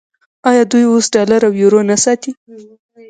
آیا دوی اوس ډالر او یورو نه ساتي؟